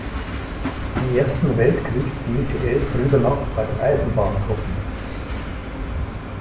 Im Ersten Weltkrieg diente Eltz-Rübenach bei den Eisenbahntruppen.